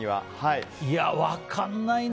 分かんないな。